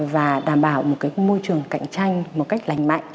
và đảm bảo một môi trường cạnh tranh một cách lành mạnh